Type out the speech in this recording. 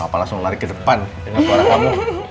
apa langsung lari ke depan dengan suara kamu